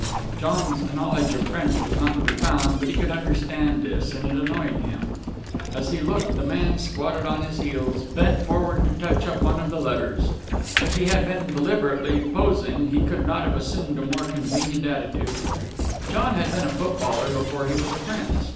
"_ John's knowledge of French was not profound, but he could understand this, and it annoyed him. As he looked, the man, squatting on his heels, bent forward to touch up one of the letters. If he had been deliberately posing, he could not have assumed a more convenient attitude. John had been a footballer before he was a prince.